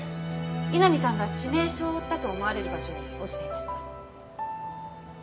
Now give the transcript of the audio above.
井波さんが致命傷を負ったと思われる場所に落ちていました。